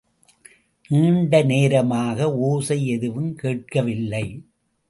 நீண்ட நேரமாக ஓசை எதுவும் கேட்கவில்லை.